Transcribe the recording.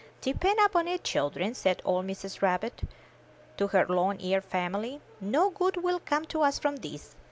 '^Depend upon it, children,'' said old Mrs. Rabbit to her long eared family, no good will come to us from this.